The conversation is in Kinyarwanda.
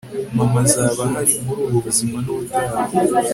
mama azaba ahari muri ubu buzima nubutaha